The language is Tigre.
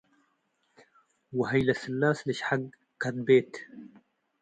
ወሀይሌ-ስላስ ልሽሐግ ከድቤት